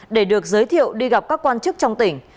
để được giới thiệu đi gặp các quan chức trong tỉnh